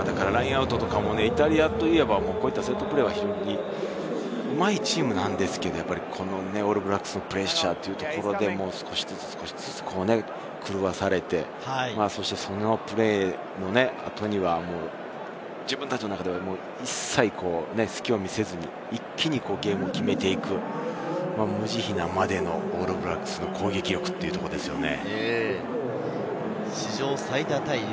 イタリアといえば、セットプレーはうまいチームなんですけれど、オールブラックスのプレッシャー、少しずつ狂わされて、そのプレーの後には自分たちの中では一切、隙を見せずに、一気にゲームを決めていく、無慈悲なまでのオールブラックスの攻撃力ということですよね。